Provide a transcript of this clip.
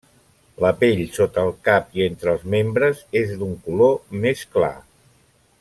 La pell sota el cap i entre els membres és d'un color més clar.